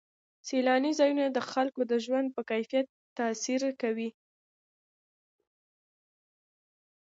سیلاني ځایونه د خلکو د ژوند په کیفیت تاثیر کوي.